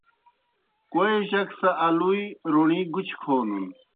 کوئی جک سہ آلُوئے روݨی گُچھیْ کھونَن۔